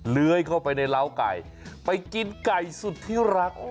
เลื้อยเข้าไปในร้าวไก่ไปกินไก่สุดที่รัก